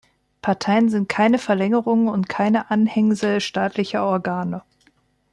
Parteien sind keine Verlängerungen und keine Anhängsel staatlicher Organe.